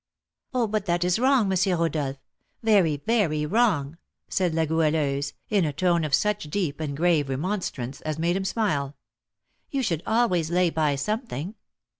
"Oh, but that is wrong, M. Rodolph, very, very wrong!" said La Goualeuse, in a tone of such deep and grave remonstrance as made him smile. "You should always lay by something.